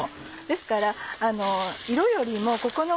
ですから色よりもここの。